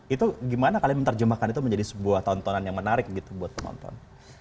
itu gimana kalian menerjemahkan itu menjadi sebuah tontonan yang menarik gitu buat penonton